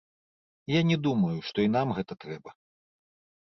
Я не думаю, што і нам гэта трэба.